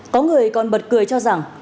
có người còn bật cười cho rằng